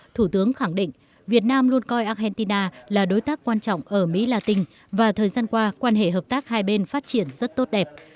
thủ tướng khẳng định việt nam luôn coi argentina là đối tác quan trọng ở mỹ latin và thời gian qua quan hệ hợp tác hai bên phát triển rất tốt đẹp